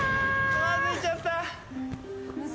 つまずいちゃった。